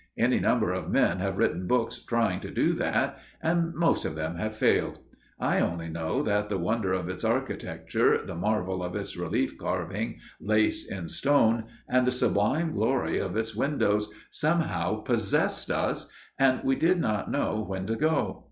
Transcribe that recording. Any number of men have written books trying to do that, and most of them have failed. I only know that the wonder of its architecture, the marvel of its relief carving, "lace in stone," and the sublime glory of its windows somehow possessed us, and we did not know when to go.